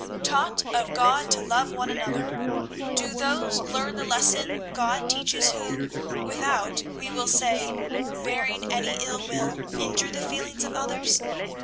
"'Taught of God to love one another.' Do those learn the lesson God teaches who, without, we will say, bearing any ill will, injure the feelings of others?